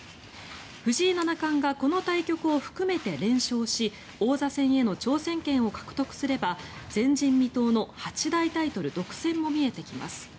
藤井七冠がこの対局を含めて連勝し王座戦への挑戦権を獲得すれば前人未到の八大タイトル独占も見えてきます。